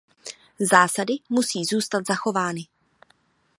Zásady musí zůstat zachovány.